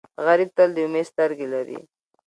غریب تل د امید سترګې لري